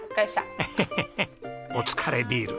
ヘヘヘヘお疲れビール。